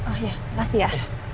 oh ya makasih ya